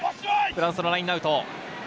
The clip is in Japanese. フランスのラインアウト。